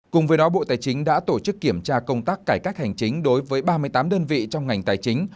cùng với đó bộ tài chính đã tổ chức kiểm tra công tác cải cách hành chính đối với ba mươi tám đơn vị trong ngành tài chính